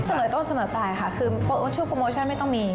เสมอต้นเสมอปลายค่ะคือช่วงโปรโมชั่นไม่ต้องมี